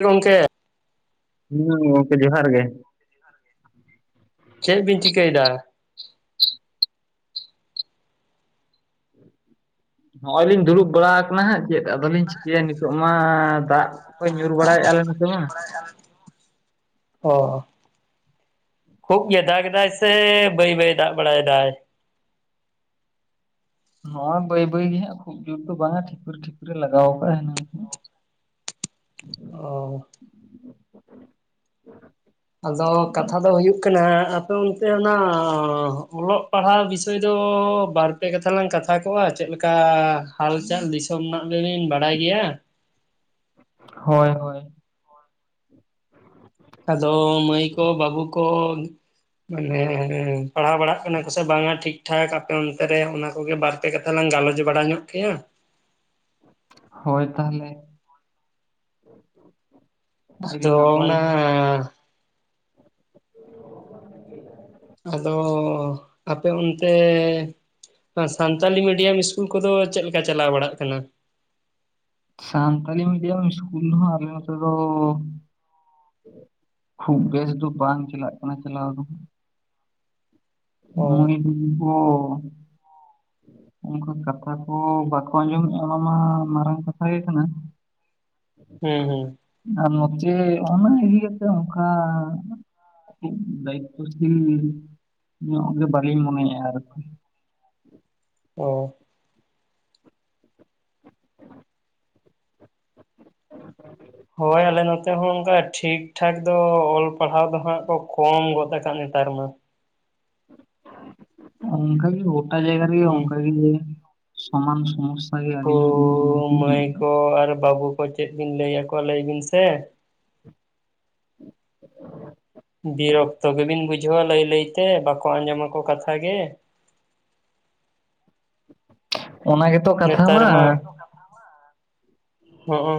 ᱜᱚᱝᱠᱮ ᱦᱩᱸ ᱜᱚᱢᱠᱮ ᱡᱚᱦᱟᱨ ᱜᱮ᱾ ᱪᱮᱜᱽ ᱵᱤᱱ ᱪᱤᱠᱟᱹᱭᱮᱫᱟ? ᱱᱚᱜᱼᱚᱭ ᱞᱤᱧ ᱫᱩᱲᱩᱵ ᱵᱟᱲᱟ ᱟᱠᱟᱱᱟ ᱦᱟᱸᱜ ᱪᱮᱫ ᱟᱫᱚᱞᱤᱧ ᱪᱤᱠᱟᱹᱭᱟ ᱱᱤᱛᱚᱜ ᱢᱟ ᱫᱟᱜ ᱦᱚᱭ ᱧᱩᱨ ᱵᱟᱲᱟᱭᱮᱼᱟ ᱞᱮ ᱱᱚᱛᱮ ᱢᱟ, ᱚ ᱦᱩᱜᱽ ᱜᱮ ᱫᱟᱜ ᱮᱫᱟᱭ ᱥᱮ ᱵᱟᱹᱭ ᱵᱟᱹᱭ ᱫᱟᱜ ᱵᱟᱲᱟᱭ ᱫᱟᱭ? ᱱᱚᱣᱟ ᱵᱟᱹᱭ ᱵᱟᱹᱭ ᱜᱮ ᱦᱟᱸᱜ ᱠᱷᱩᱵ ᱡᱩᱨ ᱫᱚ ᱵᱟᱝᱼᱟ ᱴᱷᱤᱠᱩᱨ ᱴᱷᱤᱠᱩᱨᱤ ᱞᱟᱜᱟᱣ ᱟᱠᱟᱜᱼᱟ [unintelligible] [inaudible] ᱚᱻ ᱟᱫᱚ ᱠᱟᱛᱷᱟ ᱫᱚ ᱦᱩᱭᱩᱜ ᱠᱟᱱᱟ ᱟᱯᱮ ᱚᱱᱛᱮ ᱚᱱᱟ ᱚᱞᱚᱜ ᱯᱟᱲᱦᱟᱣ ᱵᱤᱥ ᱫᱚ ᱵᱟᱨᱯᱮ ᱠᱟᱛᱷᱟ ᱞᱟᱝ ᱠᱟᱛᱷᱟ ᱠᱚᱜᱼᱟ ᱪᱮᱫ ᱞᱮᱠᱟ ᱦᱟᱞ ᱪᱟᱞ ᱫᱤ ᱥᱚᱢ ᱞᱤᱧ ᱵᱟᱰᱟᱭ ᱜᱮᱭᱟ ᱦᱳᱭ ᱦᱳᱭ ᱟᱫᱚ ᱢᱟᱹᱭ ᱠᱚ ᱵᱟᱹᱵᱩ ᱠᱚ ᱢᱟᱱᱮᱸ ᱯᱟᱲᱦᱟᱣ ᱵᱟᱲᱟᱜ ᱠᱟᱱᱟ ᱠᱚᱥᱮ ᱵᱟᱝᱟ ᱴᱷᱤᱠᱴᱷᱟᱠ ᱟᱯᱮ ᱚᱱᱛᱮ ᱨᱮ ᱚᱱᱟ ᱠᱚᱜᱮ ᱵᱟᱨ ᱯᱮ ᱠᱟᱛᱷᱟ ᱞᱟᱝ ᱜᱟᱞᱚᱪ ᱵᱟᱲᱟ ᱧᱚᱜ ᱠᱮᱭᱟ᱾ ᱦᱳᱭ ᱛᱟᱦᱞᱮ᱾ ᱟᱫᱚ ᱚᱱᱟ ᱟᱫᱚ ᱟᱯᱮ ᱚᱱᱛᱮ ᱥᱟᱱᱛᱟᱞᱤ ᱢᱤᱰᱤᱭᱟᱢ ᱤᱥ ᱠᱩᱞ ᱠᱚᱫᱚ ᱪᱮᱫ ᱞᱮᱠᱟ ᱪᱟᱞᱟᱣ ᱵᱟᱲᱟᱜ ᱠᱟᱱᱟ? ᱥᱟᱱᱛᱟᱞᱤ ᱢᱤᱰᱤᱭᱟᱢ ᱤᱥᱠᱩᱞ ᱦᱚᱸ ᱟᱞᱮ ᱱᱚᱛᱮ ᱫᱚ ᱠᱷᱩᱵ ᱵᱮᱥ ᱫᱚ ᱵᱟᱝ ᱪᱟᱞᱟᱜ ᱠᱟᱱᱟ ᱪᱟᱞᱟᱣ ᱫᱚ᱾ ᱚ ᱢᱟᱹᱭ ᱵᱟᱹᱱᱩᱜ ᱠᱚ [unintelligible] ᱚᱱᱠᱩ ᱠᱟᱛᱷᱟ ᱠᱚ ᱵᱟᱠᱚ ᱟᱸᱡᱚᱢᱮᱜ-ᱟ, ᱚᱱᱟ ᱢᱟ ᱢᱟᱨᱟᱝ ᱠᱟᱛᱷᱟ ᱜᱮ ᱠᱟᱱᱟ, ᱦᱚᱸ ᱦᱚᱸ ᱟᱨ ᱱᱚᱛᱮ ᱚᱱᱟ ᱤᱫᱤ ᱟᱛᱮ ᱚᱝᱠᱟ [unintelligible] ᱧᱚᱜ ᱜᱮ ᱵᱟᱞᱤᱧ ᱢᱩᱚᱱᱮ ᱟᱨ ᱚ ᱦᱳᱭ ᱟᱞᱮ ᱱᱚᱛᱮ ᱦᱚᱸ ᱚᱱᱠᱟ ᱴᱷᱤᱠ ᱴᱷᱟᱠ ᱫᱚ ᱚᱞ ᱯᱟᱲᱦᱟᱣ ᱫᱚ ᱦᱟᱸᱜ ᱠᱚ ᱠᱚᱢ ᱜᱚᱫ ᱟᱠᱟᱫ ᱱᱮᱛᱟᱨ ᱢᱟ᱾ ᱚᱝᱠᱟ ᱜᱮ ᱜᱚᱴᱟ ᱡᱟᱭᱜᱟ ᱨᱮᱜᱮ ᱦᱩᱸ ᱚᱝᱠᱟ ᱜᱮ ᱥᱚᱢᱟᱱ ᱥᱚᱢᱚᱥ [unintelligible] ᱟᱹᱞᱤᱧ ᱦᱚᱸᱞᱤᱧ [unintelligible] ᱦᱚ ᱟᱨ ᱵᱟᱹᱵᱩ ᱦᱚᱭ ᱪᱮᱫ ᱵᱤᱱ ᱞᱟᱹᱭ ᱟᱠᱚᱣᱟ ᱞᱟᱹᱭ ᱵᱤᱱ ᱥᱮ? [inaudible] ᱵᱮ ᱚᱠᱛᱚ ᱜᱮᱵᱤᱱ ᱵᱩᱡᱷᱟᱹᱣᱟ ᱞᱟᱹᱭ ᱞᱟᱹᱭᱛᱮ ᱵᱟᱠᱚ ᱟᱸᱡᱚ ᱢᱟᱠᱚ ᱠᱟᱛᱷᱟ ᱜᱮ ᱚᱱᱟ ᱜᱮᱛ ᱱᱮᱛᱟᱨ ᱢᱟ [unintelligible] ᱠᱟᱛᱷᱟ ᱢᱟ ᱦᱚᱸᱜ ᱚ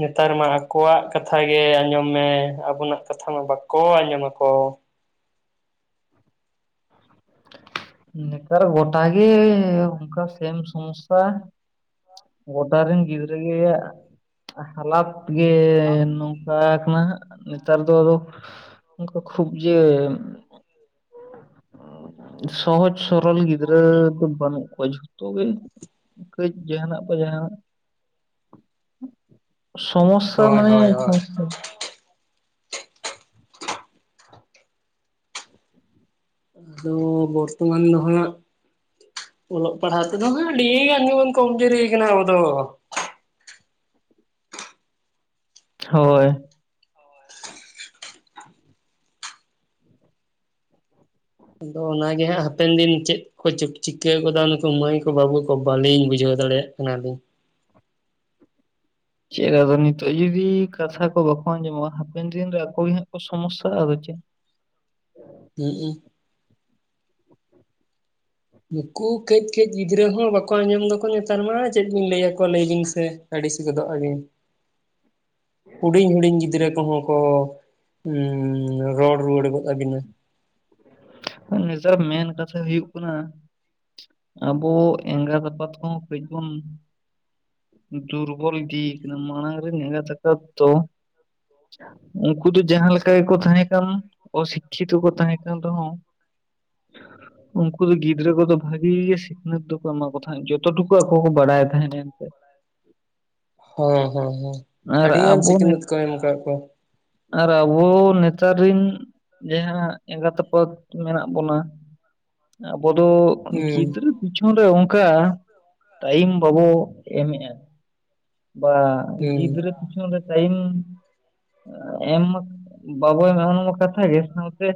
ᱱᱮᱛᱟᱨ ᱢᱟ ᱟᱠᱚᱣᱟᱜ ᱠᱟᱛᱷᱟ ᱜᱮ ᱟᱸᱡᱚᱢ ᱢᱮ, ᱟᱵᱚᱱᱟᱜ ᱠᱟᱛᱷᱟ ᱢᱟ ᱵᱟᱠᱚ ᱟᱸᱡᱚᱢ ᱟᱠᱚ᱾ ᱱᱮᱛᱟᱨ ᱜᱚᱴᱟ ᱜᱮ ᱚᱝᱠᱟ ᱥᱮᱢ ᱥᱚᱢᱚᱥᱟ ᱜᱚᱫᱟ ᱨᱤᱱ ᱜᱤᱫᱽᱨᱟᱹ ᱜᱮ ᱦᱟᱞᱟᱛ ᱜᱮ ᱱᱚᱝᱠᱟ ᱠᱟᱱᱟ ᱦᱟᱸᱜ ᱱᱮᱛᱟᱨ ᱫᱚ ᱟᱫᱚ ᱱᱚᱝᱠᱟ ᱠᱷᱩᱵ ᱡᱮ ᱥᱚᱦᱚᱡ ᱥᱚᱨᱚᱞ ᱜᱤᱫᱽᱨᱟᱹ ᱫᱚ ᱵᱟᱹᱱᱩᱜ ᱠᱚᱣᱟ ᱡᱷᱩ ᱛᱚᱜᱮ ᱠᱟᱹᱡ ᱡᱟᱦᱟ ᱱᱟᱜ ᱵᱟ ᱡᱟᱦᱟᱱᱟᱜ ᱥᱚᱢᱚᱥᱟ ᱦᱳᱭ ᱦᱳᱭ ᱢᱟᱱᱮ ᱦᱳᱭ [unintelligible] ᱟᱫᱚ ᱵᱚᱨᱛᱚᱢᱟᱱ ᱫᱚ ᱦᱟᱸᱜ ᱚᱞᱚᱜ ᱯᱟᱲᱦᱟᱣ ᱛᱮᱫᱚ ᱦᱟᱸᱜ ᱟᱹᱰᱤ ᱜᱟᱱ ᱜᱮᱵᱚᱱ ᱠᱚᱢᱡᱩᱨᱤ ᱟᱠᱟᱱᱟ ᱟᱵᱚ ᱫᱚ᱾ ᱦᱳᱭ ᱟᱫᱚ ᱚᱱᱟᱜᱮ ᱦᱟᱸᱜ ᱦᱟᱯᱮᱱ ᱫᱤᱱ ᱪᱮᱫ ᱠᱚ ᱪᱤᱠᱟᱹᱣ ᱠᱟᱫᱟ ᱱᱩᱠᱩ ᱢᱟᱹᱭ ᱠᱚ ᱵᱟᱹᱵᱩ ᱠᱚ ᱵᱟᱹᱞᱤᱧ ᱵᱩᱡᱷᱟᱹᱣ ᱫᱟᱲᱮᱭᱟᱜ ᱠᱟᱱᱟ ᱞᱤᱧ ᱪᱮᱫ ᱟᱫᱚ ᱱᱤᱛᱚᱜ ᱡᱩᱫᱤ ᱠᱟᱛᱷᱟ ᱠᱚ ᱵᱟᱠᱚ ᱟᱸᱡᱚᱢᱚᱜᱼᱟ ᱦᱟᱯᱮᱱ ᱫᱤᱱ ᱨᱮ ᱟᱠᱚ ᱜᱤ ᱦᱟᱸᱜ ᱠᱚ ᱥᱚᱢᱚᱥᱟᱼᱟ ᱟᱫᱚ ᱪᱮᱫ ᱦᱩᱸᱩ ᱱᱩᱠᱩ ᱠᱟᱹᱡ ᱠᱟᱹᱡ ᱜᱤᱫᱽᱨᱟᱹ ᱦᱚᱸ ᱵᱟᱠᱚ ᱟᱸᱡᱚᱢ ᱫᱟᱠᱚ ᱱᱮᱛᱟᱨ ᱢᱟ ᱪᱮᱫ ᱵᱤᱱ ᱞᱟᱹᱭᱟᱠᱚᱣᱟ ᱞᱟᱹᱭ ᱵᱤᱱ ᱥᱮ ᱟᱹᱰᱤᱥ ᱜᱚᱫᱚᱜᱼᱟ ᱵᱤᱱ ᱦᱩᱰᱤᱧ ᱦᱩᱰᱤᱧ ᱜᱤᱫᱽᱨᱟᱹ ᱠᱚᱦᱚᱸ ᱠᱚ ᱨᱚᱲ ᱨᱩᱣᱟᱹᱲ ᱜᱚᱫ ᱛᱵᱤᱱᱟ ᱱᱮᱛᱟᱨ ᱢᱮᱱ ᱠᱟᱛᱷᱟ ᱦᱩᱭᱩᱜ ᱠᱟᱱᱟ ᱟᱵᱚ ᱮᱸᱜᱟᱛ ᱟᱯᱟᱛ ᱠᱚᱦᱚᱸ ᱠᱟᱹᱡ ᱵᱚᱱ ᱫᱩᱨᱵᱚᱞ ᱫᱤ ᱠᱟᱱᱟ ᱢᱚᱲᱟᱝᱨᱮ ᱮᱟᱜᱟᱛ ᱟᱯᱟᱛ ᱫᱚ ᱩᱱᱠᱩ ᱫᱚ ᱡᱟᱦᱟᱸ ᱞᱮᱠᱟ ᱜᱮᱠᱚ ᱛᱟᱦᱮᱸ ᱠᱟᱱ ᱚᱥᱤᱠᱠᱷᱤᱛᱚ ᱠᱚ ᱛᱟᱦᱮᱸ ᱠᱟᱱ ᱨᱮᱦᱚᱸ [inaudible] ᱩᱱᱠᱩ ᱫᱚ ᱜᱤᱫᱽᱨᱟᱹ ᱠᱚᱫᱚ ᱵᱷᱟᱜᱤ ᱜᱮ ᱥᱤᱠᱷᱱᱟᱹᱛ ᱫᱚᱠᱚ ᱮᱢᱟ ᱠᱚ ᱛᱟᱦᱮᱸᱫ ᱡᱚᱛ ᱴᱩᱠᱩ ᱟᱠᱚ ᱠᱚ ᱵᱟᱲᱟᱭ ᱛᱟᱦᱮᱸᱫ ᱮᱱᱛᱮ ᱦᱮᱸ ᱦᱮᱸ ᱦᱮᱸ ᱟᱨ ᱟᱹᱰᱤ ᱜᱟᱱ ᱟᱵᱚ ᱥᱤᱠᱷᱱᱟᱹᱛ ᱠᱚ ᱮᱢ ᱠᱟᱜ ᱠᱚᱣᱟ ᱟᱨ ᱟᱵᱚ ᱱᱮᱛᱟᱨ ᱨᱤᱱ ᱡᱟᱦᱟᱸ ᱮᱸᱜᱟᱛ ᱟᱯᱟᱛ ᱢᱮᱱᱟᱜ ᱵᱚᱱᱟ ᱟᱵᱚ ᱫᱚ ᱦᱩᱸ ᱜᱤᱫᱽᱨᱟᱹ ᱯᱤᱪᱷᱚᱱ ᱨᱮ ᱚᱝᱠᱟ ᱴᱟᱭᱤᱢ ᱵᱟᱵᱚ ᱮᱢᱮᱫᱼᱟ ᱵᱟ ᱦᱩᱸ ᱜᱤᱫᱽᱨᱟᱹ ᱯᱤᱪᱦᱚᱱ ᱨᱮ ᱴᱟᱭᱤᱢ ᱮᱢ ᱢᱟ ᱵᱟᱵᱩ ᱮᱢᱟ ᱚᱱᱟᱢᱟ ᱠᱟᱛᱷᱟ ᱜᱮ ᱥᱟᱶᱛᱮ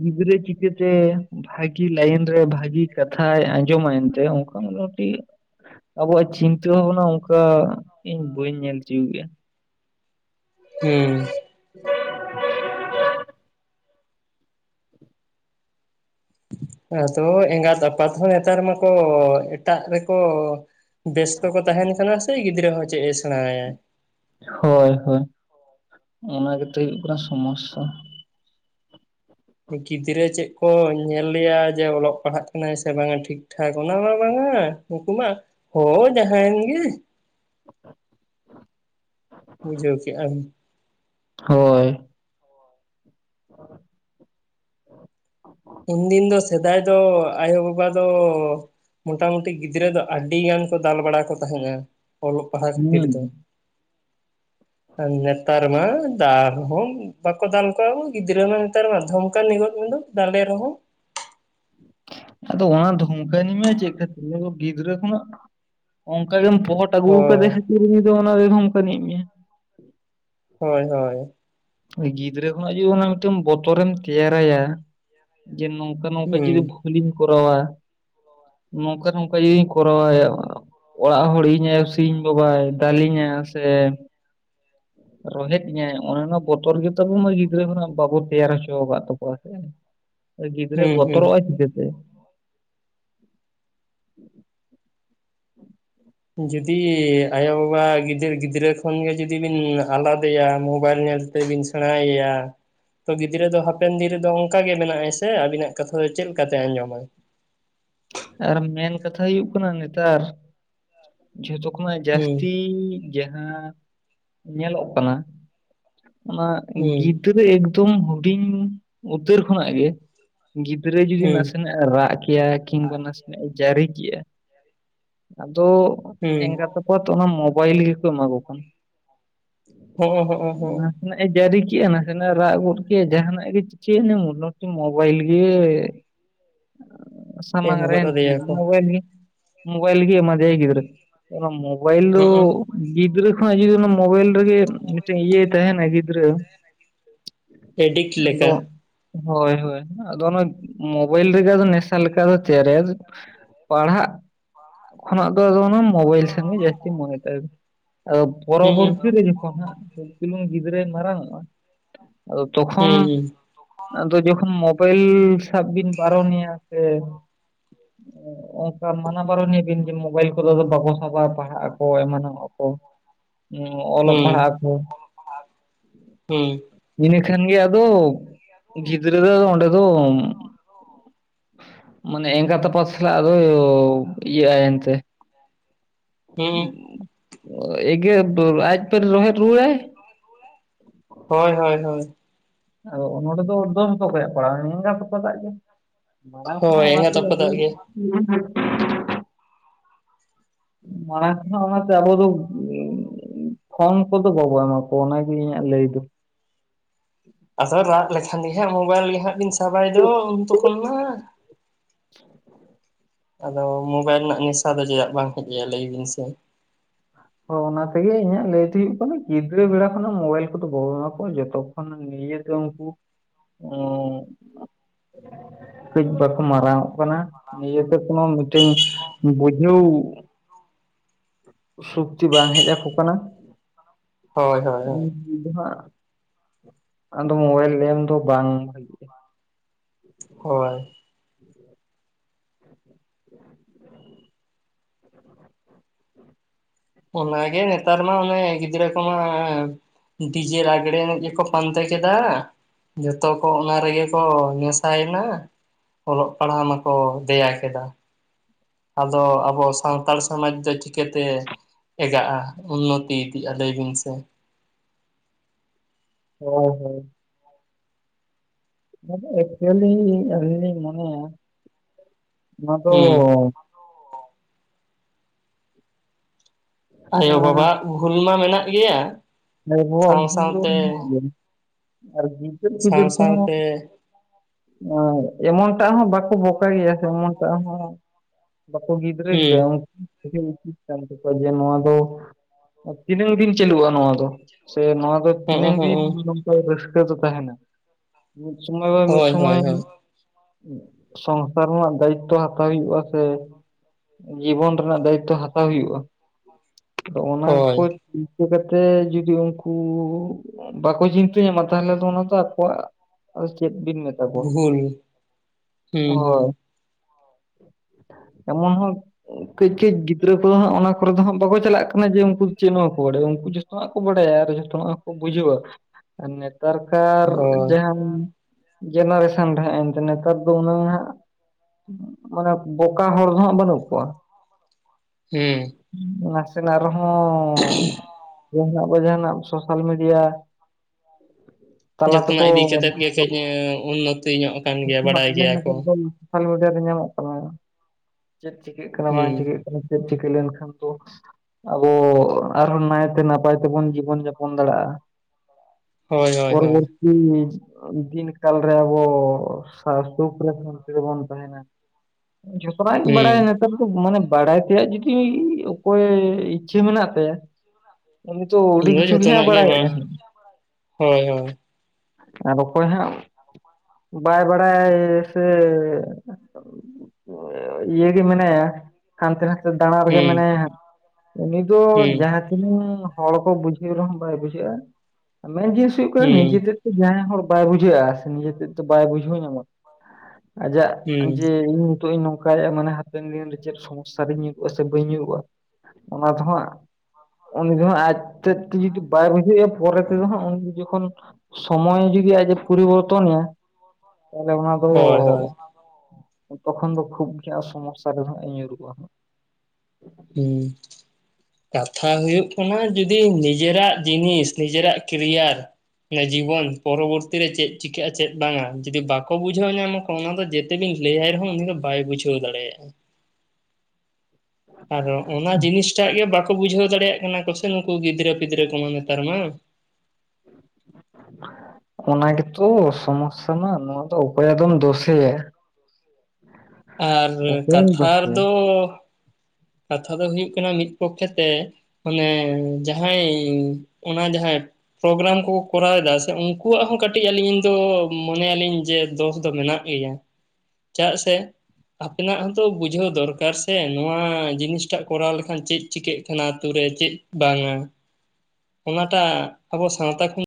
ᱜᱤᱫᱽᱨᱟᱹ ᱪᱤᱠᱟᱹᱛᱮ ᱵᱷᱟᱹᱜᱤ ᱞᱟᱭᱤᱱ ᱨᱮ ᱵᱷᱟᱹᱜᱤ ᱠᱟᱛᱷᱟᱭ ᱟᱸᱡᱚᱢᱟ ᱮᱱᱛᱮ ᱚᱱᱠᱟ ᱟᱵᱚᱣᱟᱜ ᱪᱤᱱᱛᱟᱹ ᱵᱷᱟᱵᱽᱱᱟ ᱚᱝᱠᱟ ᱤᱧ ᱵᱟᱹᱧ ᱧᱮᱞ ᱛᱤᱭᱳᱜᱮᱼᱟ ᱦᱩᱸ [inaudible] ᱟᱫᱚ ᱮᱸᱜᱟᱛ ᱟᱯᱟᱛ ᱦᱚ ᱱᱮᱛᱟᱨ ᱢᱟᱠᱚ ᱮᱴᱟᱜ ᱨᱮᱠᱚ ᱵᱮᱥᱛᱚ ᱠᱚ ᱛᱟᱦᱮᱱ ᱠᱟᱱᱟ ᱥᱮ ᱜᱤᱫᱽᱨᱟᱹ ᱦᱚᱸ ᱪᱮᱫ ᱮ ᱥᱮᱬᱟᱭᱟ ᱦᱳᱭ ᱦᱳᱭ ᱚᱱᱟ ᱜᱮᱛᱚ ᱦᱩᱭᱩᱜ ᱠᱟᱱᱟ ᱥᱚᱢᱚᱥᱟ ᱜᱤᱫᱽᱨᱟᱹ ᱪᱮᱫ ᱠᱚ ᱧᱮᱞ ᱞᱮᱭᱟ ᱡᱮ ᱚᱞᱚᱜ ᱯᱟᱲᱦᱟᱜ ᱠᱟᱱᱟᱭ ᱥᱮ ᱵᱟᱝᱟ ᱴᱷᱤᱠ ᱴᱷᱟᱠ ᱚᱱᱟ ᱢᱟ ᱵᱟᱝᱟ ᱩᱱᱩᱠᱩ ᱢᱟ ᱦᱳᱭ ᱡᱟᱦᱭᱮᱱ ᱜᱮ ᱵᱩᱡᱟᱹᱣ ᱠᱮᱜ ᱟᱢ ᱦᱳᱭ [unintelligible] ᱩᱱᱫᱤᱱ ᱫᱚ ᱥᱮᱫᱟᱭ ᱫᱚ ᱟᱭᱳ ᱵᱟᱵᱟ ᱫᱚ ᱢᱚᱴ ᱢᱩᱴᱤ ᱜᱤᱫᱽᱨᱟᱹ ᱫᱚ ᱟᱹᱰᱤ ᱜᱟᱱ ᱠᱚ ᱫᱟᱞ ᱵᱟᱲᱟ ᱠᱚ ᱛᱟᱦᱮᱸᱱᱟ ᱚᱞᱚᱜ ᱯᱟᱲᱦᱟᱜ ᱠᱷᱟᱹᱛᱤᱨ ᱦᱩᱸ ᱫᱚ ᱟᱨ ᱱᱮᱛᱟᱨ ᱢᱟ ᱫᱟᱞ ᱦᱚᱸ ᱵᱟᱠᱚ ᱫᱟᱞ ᱠᱚᱣᱟ ᱜᱤᱫᱽᱨᱟᱹ ᱢᱟ ᱱᱮᱛᱟᱨ ᱢᱟ ᱫᱷᱚᱢᱠᱟᱣ ᱢᱮ ᱟᱫᱚ ᱫᱟᱞᱮ ᱨᱮᱦᱚᱸ ᱟᱫᱚ ᱚᱱᱟ ᱫᱷᱢᱠᱟᱟᱹᱱᱤ ᱢᱮ ᱪᱮᱫ ᱠᱷᱟᱹᱛᱤᱨ ᱜᱤᱫᱽᱨᱟᱹ ᱠᱷᱚᱱᱟᱜ ᱚᱱᱠᱟ ᱜᱮᱢ ᱯᱚᱴ ᱟᱹᱜᱩᱠᱟᱫᱮ ᱦᱚᱸ ᱠᱷᱟᱹᱛᱤᱨ ᱩᱱᱤ ᱫᱚ ᱚᱱᱟᱛᱮ ᱫᱷᱚᱢᱠᱟᱱᱤ ᱮᱫ ᱢᱮᱭᱟ ᱦᱳᱭ ᱦᱳᱭ ᱜᱤᱫᱽᱨᱟᱹ ᱠᱷᱚᱱᱟᱜ ᱡᱩᱫᱤ ᱩᱱᱤ ᱢᱤᱫᱴᱮᱱ ᱵᱚᱛᱚᱨᱮᱢ ᱛᱮᱭᱟᱨᱟᱭᱟ ᱡᱮ ᱱᱚᱝ ᱱᱚᱝᱠᱟ ᱱᱚᱝᱠᱟ ᱡᱩᱫᱤ ᱦᱩᱸ ᱵᱷᱩᱞᱤᱧ ᱠᱚᱨᱟᱣᱟ ᱱᱚᱝᱠᱟ ᱱᱚᱝᱠᱟ ᱡᱩᱫᱤᱧ ᱠᱚᱨᱟᱣᱟᱭ ᱚᱲᱟᱜ ᱦᱚᱲ ᱤᱧ ᱟᱭᱳ ᱥᱤᱧ ᱵᱟᱵᱟᱭ ᱫᱟᱞᱤᱧᱟ ᱥᱮ ᱨᱚᱦᱮᱫ ᱤᱧᱟᱭ ᱚᱱᱮ ᱚᱱᱟ ᱵᱚᱛᱚᱨ ᱜᱮᱛᱚᱟᱵᱚ ᱢᱟ ᱜᱤᱫᱽᱨᱟᱹ ᱠᱷᱚᱱᱟᱜ ᱵᱟᱵᱚ ᱛᱮᱭᱟᱨ ᱦᱚᱪᱚ ᱟᱠᱟᱫ ᱛᱟᱠᱚᱣᱟ ᱥᱮ ᱜᱤᱫᱽᱨᱟᱹ ᱦᱩᱸ ᱵᱚᱛᱚᱨᱚᱜ ᱟᱭ ᱦᱩᱸ ᱪᱤᱠᱟᱹᱛᱮ ᱡᱩᱫᱤ ᱟᱭᱳ ᱵᱟᱵᱟ ᱜᱤᱫᱟᱹᱨ ᱜᱤᱫᱽᱨᱟᱹ ᱠᱷᱚᱱ ᱜᱮ ᱡᱩᱫᱤᱵᱤᱱ ᱟᱞᱟᱫᱮᱭᱟ ᱢᱚᱵᱟᱭᱤᱞ ᱧᱮᱞ ᱵᱤᱱ ᱥᱮᱬᱟᱭᱟ ᱛᱚ ᱜᱤᱫᱽᱨᱟᱹ ᱫᱚ ᱦᱟᱯᱮᱱ ᱫᱤᱱ ᱨᱮᱫᱚ ᱚᱱᱠᱟ ᱜᱮ ᱵᱮᱱᱟᱜ ᱟᱭ ᱥᱮ ᱟᱵᱤᱱᱟᱜ ᱠᱟᱛᱷᱟ ᱫᱚ ᱪᱮᱫ ᱞᱮᱠᱟᱛᱮ ᱟᱸᱡᱚᱢᱟᱭ ᱟᱨ ᱢᱮᱱ ᱠᱟᱛᱷᱟ ᱦᱩᱭᱩᱜ ᱠᱟᱱᱟ ᱱᱮᱛᱟᱨ ᱡᱷᱚᱛᱚ ᱠᱷᱚᱱᱟᱜ ᱦᱩᱸ ᱡᱟᱹᱥᱛᱤ ᱡᱟᱦᱟᱸ ᱧᱮᱞᱚᱜ ᱠᱟᱱᱟ ᱚᱱᱟ ᱦᱩᱸ ᱜᱤᱫ ᱮᱠᱫᱚᱢ ᱦᱩᱰᱤᱧ ᱩᱛᱟᱹᱨ ᱠᱷᱚᱱᱟᱜ ᱜᱮ ᱜᱤᱫᱽᱨᱟᱹ ᱡᱩᱫᱤ ᱦᱩᱸ ᱱᱟᱥᱮᱱᱟᱜᱼᱼ ᱨᱟᱜ ᱠᱮᱜ ᱟᱭ ᱠᱤᱱᱵᱟ ᱱᱟᱥᱮᱱᱟᱜ ᱮ ᱡᱟᱹᱨᱤ ᱠᱮᱜᱼᱟ ᱟᱫᱚ ᱦᱩᱸ ᱮᱸᱜᱟᱛ ᱟᱯᱟᱛ ᱚᱱᱟ ᱢᱚᱵᱟᱭᱤᱞ ᱜᱮᱠᱚ ᱮᱢᱟ ᱠᱚ ᱠᱟᱱᱟ ᱦᱚᱸᱜ-ᱚ ᱦᱚᱸᱜᱼᱚ‌ ᱦᱚᱸᱜᱼᱚ ᱱᱟᱜᱼ ᱮ ᱡᱟᱹᱨᱤ ᱠᱮᱜᱼᱟ ᱱᱟᱥᱮᱱᱟᱜ ᱨᱟᱜ ᱜᱚᱫ ᱠᱮᱫᱼᱟ ᱡᱟᱦᱟᱱᱟᱜ ᱜᱮ ᱪᱤᱠᱟᱹᱭ ᱢᱚᱴᱟᱢᱩᱴᱤ ᱢᱳᱵᱟᱭᱤᱞ ᱜᱮ ᱥᱟᱢᱟᱝ ᱮᱢ ᱨᱮ ᱜᱚᱫ ᱮᱱᱛᱮ ᱟᱫᱮᱭᱟ ᱠᱚ ᱢᱚᱵᱟᱭᱤᱞ ᱜᱮᱼᱼ ᱢᱳᱵᱟᱭᱤᱞ ᱜᱮ ᱮᱢᱟᱫᱮᱭᱟᱭ ᱜᱤᱫᱽᱨᱟᱹ ᱢᱳᱵᱟᱭᱤᱞ ᱫᱚ ᱦᱚᱸᱜᱼᱚ ᱜᱤᱫᱽᱨᱟᱹ ᱠᱷᱚᱱᱼᱼ ᱢᱳᱵᱟᱭᱤᱞ ᱨᱮᱜᱮ ᱢᱤᱫᱴᱮᱱ ᱤᱭᱟᱹᱭ ᱛᱟᱦᱮᱱᱟ ᱜᱤᱫᱽᱨᱟᱹᱼᱼ ᱮᱰᱤᱠᱴ ᱞᱮᱠᱟ᱾ ᱦᱳᱭ ᱦᱳᱭ ᱟᱫᱚ ᱚᱱᱟ ᱢᱳᱵᱟᱭᱤᱞ ᱨᱮᱜᱮ ᱟᱫᱚ ᱱᱮᱥᱟ ᱞᱮᱠᱟ ᱟᱫᱚ ᱛᱮᱭᱟᱨᱟᱭᱟ ᱟᱫᱚ ᱯᱟᱲᱦᱟᱜᱼᱼ ᱠᱷᱚᱱᱟᱜ ᱫᱚ ᱟᱫᱚ ᱢᱳᱵᱟᱭᱤᱞ ᱥᱮᱱᱜᱮ ᱡᱟᱹᱥᱛᱤ ᱢᱚᱱᱮ ᱛᱟᱭᱫᱚᱼᱼ ᱦᱩᱸ ᱦᱩᱸ ᱯᱚᱨᱚᱵᱚᱨᱛᱤ ᱨᱮ ᱡᱚᱠᱷᱚᱱ ᱦᱟᱜ ᱠᱮᱡ ᱪᱩᱞᱩᱝ ᱜᱤᱫᱽᱨᱟᱹᱭ ᱢᱟᱨᱟᱝᱚᱜᱼᱟᱼᱼ ᱟᱫᱚ ᱛᱚᱠᱷᱚᱱ ᱦᱩᱸ ᱟᱫᱚ ᱡᱚᱠᱷᱚᱱ ᱢᱳᱵᱟᱭᱤᱞ ᱥᱟᱵ ᱵᱤᱱᱼᱼ ᱵᱟᱨᱚᱱᱮᱭᱟ ᱥᱮᱼᱼ ᱚᱱᱠᱟ ᱢᱟᱱᱟ ᱵᱟᱨᱚᱱ ᱮ ᱵᱤᱱ ᱡᱮ ᱢᱳᱵᱟᱭᱤᱞ ᱠᱚ ᱫᱚ ᱵᱟᱠᱚ ᱥᱟᱵᱟ ᱯᱟᱲᱦᱟᱜ ᱟᱠᱚ ᱮᱢᱟᱱᱚᱜ ᱟᱠᱚᱼᱼ ᱩ ᱚᱞᱚᱜ ᱦᱩᱸ ᱯᱟᱲᱦᱟᱜ ᱟᱠᱚᱼᱼ ᱦᱩᱸ ᱤᱱᱟᱹ ᱠᱷᱟᱱ ᱜᱮ ᱟᱫᱚ ᱜᱤᱫᱽᱨᱟᱹ ᱫᱚ ᱚᱸᱰᱮ ᱫᱚᱼᱼ [unintelligible] ᱢᱟᱱᱮ ᱮᱸᱜᱟᱛ ᱟᱯᱟᱛ ᱥᱟᱞᱟᱜ ᱟᱫᱚ ᱤᱭᱟᱹᱜᱼᱟᱭ ᱮᱱᱛᱮᱼᱼ ᱦᱩᱸ ᱮᱜᱮᱨ ᱟᱡ ᱜᱮ ᱨᱚᱦᱮᱫ ᱨᱩᱣᱟᱹᱲᱟᱭ ᱦᱳᱭ ᱦᱳᱭ ᱦᱳᱭ᱾ ᱟᱫᱚ ᱱᱚᱸᱰᱮ ᱫᱚ ᱫᱳᱥ ᱫᱚ ᱚᱠᱚᱭᱟᱜ ᱯᱟᱲᱟᱜ-ᱟ ᱮᱸᱜᱟᱛ ᱟᱯᱟᱛᱟᱜ ᱜᱮ᱾ ᱢᱟᱲᱟᱝ ᱦᱳᱭ ᱠᱷᱚᱱᱟᱜ ᱮᱸᱜᱟᱛ ᱚᱱᱟᱛᱮ ᱟᱰᱤ ᱟᱯᱟᱛᱟᱜ [unintelligible] ᱜᱮ ᱢᱟᱲᱟᱝ ᱠᱷᱚᱱᱟᱜ ᱚᱱᱟᱛᱮ ᱟᱵᱚ ᱫᱚᱼᱼ ᱯᱷᱚᱱ ᱠᱚᱫᱚ ᱵᱟᱵᱚ ᱮᱢᱟ ᱠᱚᱣᱟ ᱚᱱᱟᱜᱮ ᱤᱧᱟᱜ ᱞᱟᱹᱭ ᱫᱚ᱾ ᱟᱫᱚᱭ ᱨᱟᱜ ᱞᱮᱠᱷᱟᱱ ᱜᱮ ᱦᱟᱸᱜ ᱢᱳᱵᱟᱭᱤᱞ ᱜᱮ ᱦᱟᱸᱜ ᱵᱤᱱ ᱥᱟᱵ ᱟᱭ ᱫᱚ ᱩᱱ ᱛᱚᱠᱷᱚᱱ ᱢᱟᱼᱼ ᱟᱫᱚ ᱢᱳᱵᱟᱭᱤᱞ ᱨᱮᱱᱟᱜ ᱱᱮᱥᱟ ᱫᱚ ᱪᱮᱫᱟᱜ ᱵᱟᱝ ᱦᱮᱡᱼᱟᱭᱟ ᱞᱟᱹᱭ ᱵᱤᱱ ᱥᱮ ᱦᱚ ᱚᱱᱟ ᱛᱮᱜᱮ ᱤᱧᱟᱜ ᱞᱟᱹᱭ ᱫᱚ ᱦᱩᱭᱩᱜ ᱠᱟᱱᱟ ᱜᱤᱫᱽᱨᱟᱹ ᱵᱮᱲᱟ ᱠᱷᱚᱱᱟᱜ ᱢᱳᱵᱟᱭᱤᱞ ᱠᱚᱫᱚ ᱵᱟᱵᱚ ᱮᱢᱟ ᱠᱚᱣᱟ ᱡᱚᱛᱚ ᱠᱷᱚᱱᱼᱼ ᱱᱤᱭᱟᱹ ᱛᱚ ᱩᱱᱠᱩ [inaudible] ᱠᱟᱹᱡ ᱵᱟᱠᱚ ᱢᱟᱨᱟᱝ ᱚᱜ ᱠᱟᱱᱟ ᱱᱤᱭᱟᱹᱛᱮ ᱠᱚᱱᱚ ᱢᱤᱫᱴᱮᱱ ᱵᱩᱡᱷᱟᱹᱣ ᱥᱚᱠᱛᱤ ᱵᱟᱝ ᱦᱮᱡ ᱟᱠᱚ ᱠᱟᱱᱟ ᱦᱳᱭ ᱦᱳᱭ ᱦᱳᱭ᱾ ᱩᱱᱫᱚ ᱦᱟᱜ ᱟᱫᱚ ᱢᱳᱵᱟᱭᱤᱞ ᱮᱢ ᱫᱚ ᱵᱟᱝ ᱵᱷᱟᱜᱤᱜ-ᱟ᱾ ᱦᱳᱭ᱾ ᱚᱱᱟᱜᱮ ᱱᱮᱛᱟᱨ ᱢᱟ ᱚᱱᱮ ᱜᱤᱫᱽᱨᱟᱹ ᱠᱚᱢᱟ ᱰᱤᱡᱮ ᱞᱟᱜᱽᱲᱮ ᱜᱮᱠᱚ ᱯᱟᱱᱛᱮ ᱠᱮᱫᱟ᱾ ᱡᱚᱛᱚ ᱠᱚ ᱚᱱᱟ ᱨᱮᱜᱮ ᱠᱚ ᱢᱮᱥᱟᱭᱮᱱᱟ᱾ ᱚᱞᱚᱜ ᱯᱟᱲᱦᱟᱣ ᱢᱟᱠᱚ ᱫᱮᱭᱟ ᱠᱮᱫᱟ ᱟᱫᱚ ᱟᱵᱚ ᱥᱟᱱᱛᱟᱲ ᱥᱚᱢᱟᱡᱽ ᱫᱚ ᱪᱤᱠᱟᱹᱛᱮ ᱮᱜᱟᱜᱼᱟ ᱩᱱᱱᱚᱛᱤ ᱤᱫᱤᱜᱼᱟ ᱞᱟᱹᱭ ᱵᱤᱱ ᱥᱮ? ᱦᱳᱭ ᱦᱳᱭ᱾ ᱮᱠᱪᱩᱭᱮᱞᱤ ᱟᱹᱞᱤᱧ ᱞᱤᱧ ᱢᱚᱱᱮᱭᱟ ᱱᱚᱣᱟ ᱫᱚ ᱦᱩᱸ ᱟᱭᱳ ᱵᱟᱵᱟ ᱟᱜ ᱵᱷᱩᱞ ᱢᱟ ᱢᱮᱱᱟᱜ ᱜᱮᱭᱟ ᱟᱵᱚᱣᱟᱜ ᱥᱟᱶ ᱫᱚ ᱥᱟᱶᱛᱮ ᱢᱮᱱᱟᱜ ᱜᱮᱭᱟ ᱟᱨ ᱜᱤᱫᱟᱹᱨ ᱥᱟᱶ ᱯᱤᱫᱟᱹᱨ ᱠᱚᱦᱚᱸ ᱥᱟᱶᱛᱮ ᱟᱨ ᱮᱢᱚᱱ ᱴᱟᱜ ᱦᱚᱸ ᱵᱟᱠᱚ ᱵᱚᱠᱟ ᱜᱮᱭᱟ ᱥᱮ ᱮᱢᱚᱱ ᱴᱟᱜ ᱦᱚᱸ ᱵᱟᱠᱚ ᱜᱤᱫᱽᱨᱟᱹ ᱜᱮᱭᱟ ᱦᱩᱸ ᱩᱪᱤᱛ ᱠᱟᱱ ᱛᱟᱠᱚᱣᱟ ᱡᱮ ᱱᱚᱣᱟ ᱫᱚ ᱛᱤᱱᱟᱹᱜ ᱫᱤᱱ ᱪᱟᱹᱞᱩᱜᱼᱟ ᱱᱚᱣᱟ ᱫᱚ ᱥᱮ ᱱᱚᱣᱟ ᱫᱚ ᱦᱚᱸᱜᱼᱚ ᱛᱤᱱᱟᱹᱜ ᱫᱤᱱ ᱦᱚᱸᱜᱼᱚ ᱱᱚᱝᱠᱟ ᱨᱟᱹᱥᱠᱟᱹ ᱫᱚ ᱛᱟᱦᱮᱱᱟ ᱢᱤᱫ ᱥᱚᱢᱚᱭ ᱫᱚ ᱢᱤᱫ ᱦᱳᱭ ᱦᱳᱭ ᱥᱚᱢᱚᱭ ᱦᱳᱭ ᱥᱚᱝᱥᱟᱨ ᱨᱮᱱᱟᱜ ᱫᱟᱭᱤᱛᱛᱚ ᱦᱟᱛᱟᱣ ᱦᱩᱭᱩᱜᱼᱟ ᱥᱮ ᱡᱤᱵᱚᱱ ᱨᱮᱱᱟᱜ ᱫᱟᱭᱤᱛᱛᱚ ᱦᱟᱛᱟᱣ ᱦᱩᱭᱩᱜᱼᱟ ᱾ ᱚᱱᱟ ᱦᱳᱭ ᱠᱚ ᱪᱤᱱᱛᱟᱹ ᱠᱟᱛᱮ ᱡᱩᱤ ᱡᱫᱤ ᱩᱱᱠᱩ ᱵᱟᱠᱚ ᱪᱤᱱᱛᱟᱹ ᱧᱟᱢᱟ ᱛᱟᱦᱚᱞᱮ ᱫᱚ ᱚᱱᱟ ᱫᱚ ᱟᱠᱚᱣᱟᱜ ᱪᱮᱫ ᱵᱤᱱ ᱢᱮᱛᱟ ᱦᱳᱭ ᱵᱷᱩᱞ ᱦᱩᱸ ᱦᱩᱸ ᱮᱢᱚᱱ ᱦᱳᱠ ᱠᱟᱹᱡ ᱠᱟᱹᱡ ᱜᱤᱫᱽᱨᱟᱹ ᱠᱚᱫᱚ ᱦᱟᱸᱜ ᱚᱱᱟ ᱠᱚᱨᱮ ᱫᱚ ᱦᱟᱸᱜ ᱵᱟᱠᱚ ᱪᱟᱞᱟᱜ ᱠᱟᱱᱟ ᱡᱮ ᱩᱱᱠᱩ ᱪᱮᱫ ᱦᱚᱸ ᱵᱟᱠᱚ ᱵᱟᱲᱟᱭᱼᱟ ᱩᱱᱠᱩ ᱡᱷᱚᱛᱚ ᱟᱜ ᱠᱚ ᱵᱟᱲᱟᱭᱟ ᱟᱨ ᱡᱚᱛᱚᱱᱟᱜᱠᱚ ᱵᱩᱡᱷᱟᱹᱣᱟ ᱱᱮᱛᱟᱨ ᱠᱟᱨ ᱦᱳᱭ ᱡᱟᱦᱟᱱ ᱡᱮᱱᱟᱨᱮᱥᱚᱱ ᱨᱮᱦ ᱮᱱᱛᱮ ᱱᱮᱛᱟᱨ ᱫᱚ ᱩᱱᱟᱹᱜ ᱢᱟᱱᱮ ᱵᱚᱠᱟ ᱦᱚᱲ ᱦᱚ ᱵᱟᱹᱱᱩᱜ ᱠᱚᱣᱟ ᱦᱩ ᱱᱟᱥᱮᱱᱟᱜ ᱨᱮᱦᱚᱸ ᱡᱟᱦᱱᱟᱜ ᱵᱚ ᱡᱟᱦᱟᱱᱟᱜ ᱥᱳᱥᱟᱞ ᱢᱤᱰᱤᱭᱟ ᱛᱟᱞᱟ ᱛᱮᱠᱚ ᱡᱚᱛᱚᱱᱟᱜ ᱤᱫᱤ ᱠᱟᱛᱮᱫ ᱜᱮ ᱠᱟᱹᱡ ᱩᱱᱱᱚᱛᱤ ᱧᱚᱜ ᱠᱟᱱ ᱜᱮᱭᱟ ᱥᱚᱥᱟᱞ ᱵᱟᱰᱟᱭ ᱜᱮᱭᱟ ᱠᱚ ᱢᱤᱰᱤᱭᱟ ᱨᱮ ᱧᱟᱢᱚᱜ ᱠᱟᱱᱟ ᱪᱮᱫ ᱪᱤᱠᱟᱹᱜ ᱠᱟᱱᱟ ᱦᱩᱸ ᱵᱟᱝ ᱪᱤᱠᱟᱹᱜ ᱠᱟᱱᱟ ᱾ ᱪᱮᱫ ᱪᱤᱠᱟᱹ ᱞᱮᱱᱠᱷᱟᱱ ᱫᱚ ᱟᱵᱚ ᱟᱨᱦᱚᱸ ᱱᱟᱭᱛᱮ ᱱᱟᱯᱟᱭ ᱱᱟᱯᱟᱭ ᱛᱮᱵᱚᱱ ᱡᱤᱵᱚᱱ ᱡᱟᱯᱚᱱ ᱫᱟᱲᱮᱭᱟᱜᱼᱟ ᱦᱳᱭ ᱦᱳᱭ ᱦᱳᱭ ᱯᱚᱨᱚᱵᱚᱨ ᱫᱤᱱ ᱠᱟᱞᱨᱮ ᱟᱵᱚ ᱥᱩᱠ ᱨᱮ ᱥᱟᱱᱛᱤ ᱨᱮᱵᱚᱱ ᱛᱟᱦᱮᱱᱟ᱾ [unintelligible] ᱚᱱᱟ ᱦᱩᱸ ᱵᱟᱲᱟᱭᱟ ᱱᱮᱛᱟᱨ ᱫᱚ ᱢᱟᱱᱮ ᱵᱟᱲᱟᱭ ᱛᱮᱭᱟᱜ ᱡᱩᱫᱤ ᱚᱠᱚᱭ ᱤᱪᱪᱷᱟᱹ ᱢᱮᱱᱟᱜ ᱛᱟᱭᱟ ᱩᱱᱤ ᱛᱚ ᱟᱹᱰᱤ ᱩᱱᱫᱚ ᱠᱤᱪᱷᱩ ᱜᱮ ᱦᱮ ᱡᱚᱛᱚᱱᱟᱜ ᱵᱟ ᱵᱟᱲᱟᱭᱟᱭ ᱾ ᱦᱳᱭ ᱦᱳᱭ ᱟᱨ ᱚᱠᱚᱭ ᱦᱟᱜ ᱵᱟᱭ ᱵᱟᱲᱟᱟᱭ ᱥᱮ ᱤᱭᱟ. ᱜᱮ ᱢᱮᱱᱟᱭᱟ ᱾ ᱦᱟᱱᱛᱮ ᱱᱟᱛᱮ ᱫᱟᱬᱟ ᱨᱮᱜᱮ ᱦᱩᱸ ᱢᱟᱱᱮᱭᱟ ᱩᱱᱤ ᱫᱚ ᱦᱩᱸ ᱡᱟᱦᱟᱸ ᱛᱤᱱᱟᱹᱜ ᱦᱚᱲ ᱠᱚ ᱵᱩᱡᱷᱟᱹᱣ ᱨᱮᱦᱚᱸ ᱵᱟᱭ ᱵᱩᱡᱷᱟᱹᱜᱼᱟ ᱢᱮᱱ ᱡᱤᱱᱤᱥ ᱦᱩᱭᱩᱜ ᱠᱟᱱᱟ ᱦᱩᱸ ᱱᱤᱡᱮᱛᱮ ᱡᱟᱦᱟᱸᱭ ᱦᱚᱲ ᱵᱟᱭ ᱵᱩᱡᱷᱟᱹᱜᱼᱟ ᱥᱮ ᱱᱤᱡᱮ ᱛᱮᱫᱚ ᱵᱟᱭ ᱵᱩᱡᱷᱟᱹᱣ ᱧᱟᱢᱟᱜ ᱟᱡᱟᱜ ᱦᱩᱸ ᱡᱮ ᱤᱧ ᱱᱤᱛᱚᱜ ᱠᱟ ᱢᱟᱱᱮ ᱦᱟᱯᱮᱱ ᱫᱤᱱ ᱨᱮ ᱪᱮᱫ ᱥᱚᱢᱚᱥᱥᱟ ᱨᱮᱧ ᱧᱩᱨᱩᱜᱼᱟ ᱥᱮ ᱵᱟᱹᱧ ᱧᱩᱨᱩᱜᱼᱟ ᱚᱱᱟ ᱫᱚ ᱦᱟᱸᱜ ᱩᱱᱤ ᱫᱚ ᱦᱟᱜ ᱟᱡ ᱛᱮ ᱡᱩᱫᱤ ᱵᱟᱭ ᱵᱩᱡᱷᱟᱹᱣᱭᱟ ᱯᱚᱨᱮ ᱛᱮᱫᱚ ᱦᱟᱜ ᱩᱱᱤ ᱡᱚᱠᱷᱚᱱ ᱥᱚᱢᱚᱭ ᱡᱩᱫᱤ ᱟᱡ ᱮ ᱯᱚᱨᱤᱵᱚᱨᱛᱚᱱᱮᱭᱟ ᱛᱟᱦᱚᱞᱮ ᱚᱱᱟ ᱫᱚ ᱦᱳᱭ ᱦᱳᱭ ᱛᱚᱠᱷᱚᱱ ᱫᱚ ᱠᱷᱩᱵ ᱜᱮ ᱥᱚᱢᱚᱥᱥᱟ ᱨᱮ ᱦᱟᱜ ᱧᱩᱨᱩᱜᱼᱟ ᱾ [unintelligible] ᱠᱟᱛᱷᱟ ᱦᱩᱭᱩᱜ ᱠᱟᱱᱟ ᱡᱚᱫᱤ ᱱᱤᱡᱮᱨᱟᱜ ᱡᱤᱱᱤᱥ ᱱᱤᱡᱮᱨᱟᱜ ᱠᱮᱨᱤᱭᱟᱨ ᱡᱤᱵᱚᱱ ᱯᱚᱨᱚᱵᱚᱨᱛᱤ ᱨᱮ ᱪᱮᱫ ᱪᱤᱠᱟᱹᱜᱼᱟ ᱪᱮᱫ ᱵᱟᱝᱟ ᱡᱩᱫᱤ ᱵᱟᱠᱚ ᱵᱩᱡᱷᱟᱹᱣ ᱧᱟᱢᱟ ᱚᱱᱟ ᱫᱚ ᱡᱮᱛᱮ ᱵᱤᱱ ᱞᱟᱹᱭᱟᱭ ᱨᱮᱦᱚᱸ ᱩᱱᱤ ᱫᱚ ᱵᱟᱭ ᱵᱩᱡᱷᱟᱹᱣ ᱫᱟᱲᱮᱭᱟᱜᱼᱟ᱾ ᱟᱫᱚ ᱚᱱᱟ ᱡᱤᱱᱤᱥᱴᱟᱜ ᱜᱮ ᱵᱟᱠᱚ ᱵᱩᱡᱷᱟᱹᱣ ᱫᱟᱲᱮᱭᱟᱜ ᱠᱟᱱᱟ ᱠᱚᱥᱮ ᱱᱩᱠᱩ ᱜᱤᱫᱽᱨᱟᱹ ᱯᱤᱫᱽᱨᱟᱹ ᱠᱚᱢᱟ ᱱᱮᱛᱟᱨ ᱢᱟ ᱾ [inaudible] ᱚᱱᱟ ᱜᱮᱛᱚ ᱥᱚᱢᱚᱥᱥᱟ ᱢᱟ ᱱᱚᱣᱟ ᱫᱚ ᱚᱠᱚᱭᱫᱚᱢ ᱫᱳᱥᱮᱭᱟ ᱾ ᱟᱨ ᱚᱠᱚᱭᱮᱢ ᱠᱟᱛᱷᱟ ᱫᱳᱥᱮᱭᱟ ᱨᱮᱫᱚ ᱠᱟᱛᱷᱟ ᱫᱚ ᱦᱩᱭᱩᱜ ᱠᱟᱱᱟ ᱢᱤᱫ ᱯᱚᱠᱠᱷᱮ ᱛᱮ ᱢᱟᱱᱮ ᱡᱟᱦᱟᱭ ᱚᱱᱟ ᱡᱟᱦᱟᱭ ᱯᱨᱳᱜᱨᱟᱢ ᱠᱚᱠᱚ ᱠᱚᱨᱟᱣ ᱮᱫᱟ ᱥᱮ ᱩᱱᱠᱩᱣᱟᱜ ᱦᱚᱸ ᱠᱟᱹᱴᱤᱡ ᱟᱹᱞᱤᱧ ᱫᱚ ᱢᱚᱱᱮᱭᱟᱞᱤᱧ ᱡᱮ ᱫᱚᱥ ᱫᱚ ᱢᱮᱱᱟᱜ ᱱᱮᱭᱟ ᱪᱮᱫᱟᱜ ᱥᱮ ᱟᱯᱮᱱᱟᱜ ᱦᱚᱸᱛᱚ ᱵᱩᱡᱷᱟᱹᱣ ᱫᱚᱨᱠᱟᱨ ᱥᱮ ᱱᱚᱣᱟ ᱡᱤᱱᱤᱥᱴᱟᱜ ᱠᱚᱨᱟᱣ ᱞᱮᱠᱷᱟᱱ ᱪᱮᱫ ᱪᱤᱠᱟᱹᱜ ᱠᱟᱱᱟ ᱟᱛᱳ ᱨᱮ ᱪᱮᱫ ᱵᱟᱝᱟ? ᱚᱱᱟᱴᱟᱜ ᱟᱵᱚ ᱥᱟᱶᱛᱟ ᱠᱷᱚᱱ